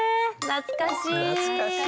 懐かしい。